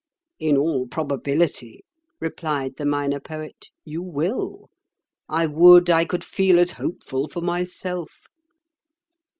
"In all probability," replied the Minor Poet, "you will. I would I could feel as hopeful for myself."